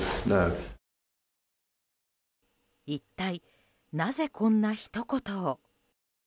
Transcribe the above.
一体なぜ、こんなひと言を。